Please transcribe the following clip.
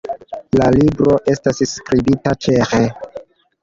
La libro estas skribita ĉeĥe.